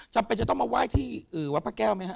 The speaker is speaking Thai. จำเป็นจะต้องมาไหว้ที่วัดพระแก้วไหมฮะ